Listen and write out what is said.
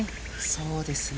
そうですね。